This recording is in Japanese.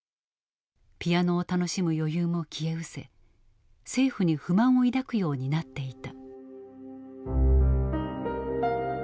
ピアノを楽しむ余裕も消えうせ政府に不満を抱くようになっていた。